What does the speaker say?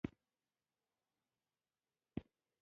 تورن وویل څنګه رښتیا نه وایم.